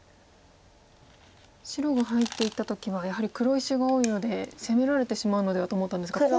白が入っていった時はやはり黒石が多いので攻められてしまうのではと思ったんですが。